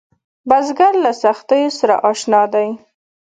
بزګر له سختیو سره اشنا دی